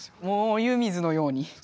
もう湯水のように。